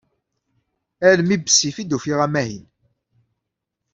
Armi bessif i d-ufiɣ amahil.